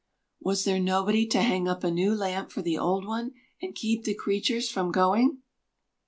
Was there nobody to hang up a new lamp for the old one, and keep the creatures from going?